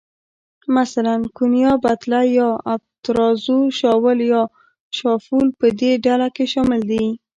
مثلاً، ګونیا، بتله یا آبترازو، شاول یا شافول په دې ډله کې شامل دي.